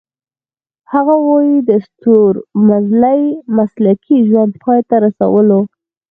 هغه وايي د ستورمزلۍ مسلکي ژوند پای ته رسولو .